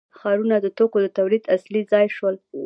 ښارونه د توکو د تولید اصلي ځای شول.